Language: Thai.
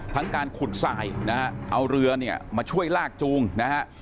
ทั้งการขุดสายเอาเรือเนี่ยมาช่วยลากจูงนะครับ